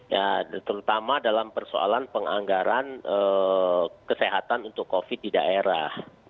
ya terutama dalam persoalan penganggaran kesehatan untuk covid di daerah